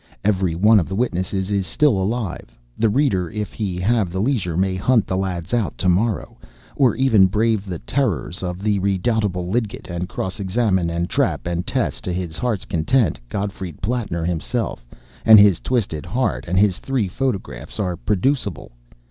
Every one of the witnesses is still alive; the reader, if he have the leisure, may hunt the lads out to morrow, or even brave the terrors of the redoubtable Lidgett, and cross examine and trap and test to his heart's content; Gottfried Plattner himself, and his twisted heart and his three photographs, are producible.